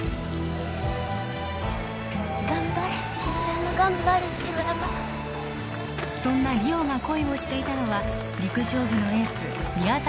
頑張れ白山頑張れ白山そんな梨央が恋をしていたのは陸上部のエース宮崎